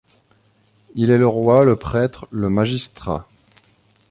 Il est le roi, le prêtre, le magistrat.